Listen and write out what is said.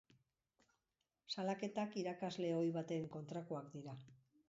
Salaketak irakasle ohi baten kontrakoak dira.